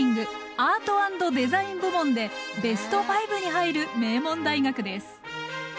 アート＆デザイン部門でベスト５に入る名門大学です。